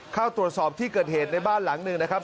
เข้าตรวจสอบที่เกิดเหตุในบ้านหลังหนึ่งนะครับ